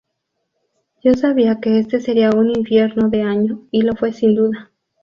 Yo sabía que este sería un infierno de año, y lo fue sin duda.